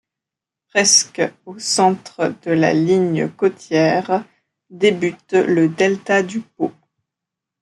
Presque au centre de la ligne côtière débute le delta du Pô.